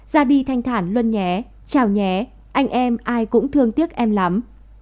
ra đi thanh thản luân nhé trào nhé anh em ai cũng thương tiếc em lắm